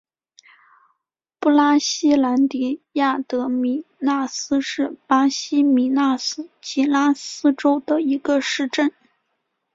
布拉西兰迪亚德米纳斯是巴西米纳斯吉拉斯州的一个市镇。